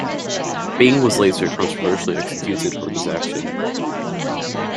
Byng was later controversially executed for this action.